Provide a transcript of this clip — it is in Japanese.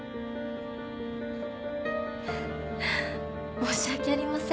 申し訳ありません。